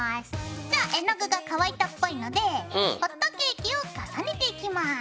じゃあ絵の具が乾いたっぽいのでホットケーキを重ねていきます。